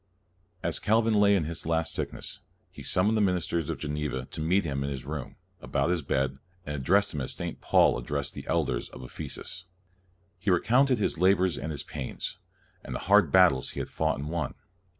As Calvin lay in his last sickness, he summoned the ministers of Geneva to meet him in his room, about his bed, and addressed them as St. Paul addressed the elders of Ephesus. He recounted his labors and his pains, and the hard battles he had fought and won.